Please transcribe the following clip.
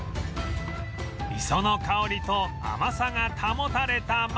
磯の香りと甘さが保たれたまま